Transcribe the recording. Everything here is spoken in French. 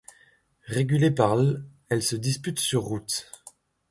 Régulée par l', elle se dispute sur route.